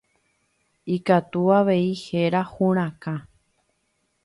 Ikatu avei héra hurakã.